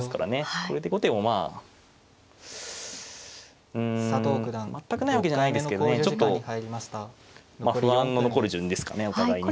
これで後手もまあうん全くないわけじゃないですけどねちょっと不安の残る順ですかねお互いに。